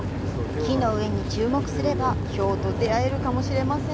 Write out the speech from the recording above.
木の上に注目すればヒョウと出会えるかもしれません。